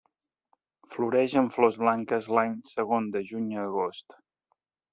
Floreix amb flors blanques l'any segon de juny a agost.